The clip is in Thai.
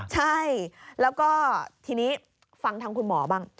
ใช่แล้วก็ทีนี้ฟังทางคุณหมอบ้าง